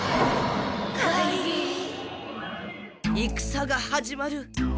戦が始まる。